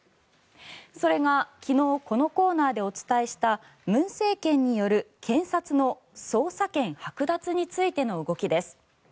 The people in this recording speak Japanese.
それが昨日このコーナーでお伝えした文政権による検察の捜査権はく奪についての動きです。